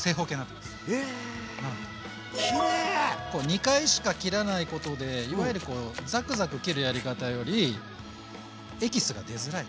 ２回しか切らないことでいわゆるこうザクザク切るやり方よりエキスが出づらい。